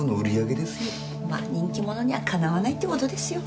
ま人気者にはかなわないって事ですよ。